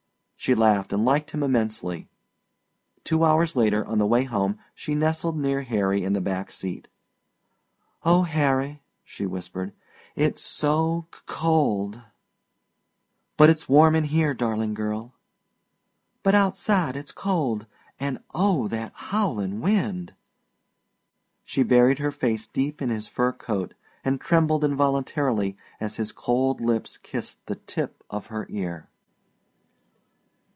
She laughed and liked him immensely. Two hours later on the way home she nestled near Harry in the back seat. "Oh, Harry," she whispered "it's so co old!" "But it's warm in here, daring girl." "But outside it's cold; and oh, that howling wind!" She buried her face deep in his fur coat and trembled involuntarily as his cold lips kissed the tip of her ear.